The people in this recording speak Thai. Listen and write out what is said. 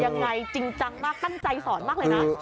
ยังไงจริงจังมากตั้งใจสอนมากเลยนะ